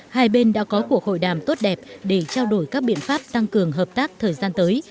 hai bên đã có cuộc hội đàm tốt đẹp để trao đổi các biện pháp tăng cường hợp tác thời gian tới